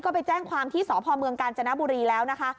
ก็ไปแจ้งความที่สพเมืองกาญจนบุรีแล้วนะคะ